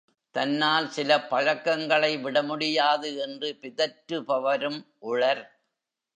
தன்னால் சில பழக்கங்களை விடமுடியாது என்று பிதற்றுபவரும் உளர்.